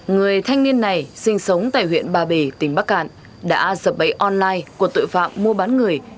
người thanh niên này sinh sống tại huyện ba bể tỉnh bắc cạn đã sập bẫy online của tội phạm mua bán người